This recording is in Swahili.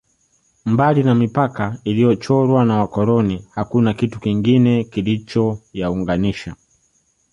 Mbali na mipaka iliyochorwa na wakoloni hakuna kitu kingine kilichoyaunganisha